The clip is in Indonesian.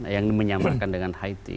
yang menyamarkan dengan haiti